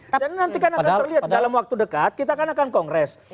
tapi nanti kan akan terlihat dalam waktu dekat kita akan akan kongres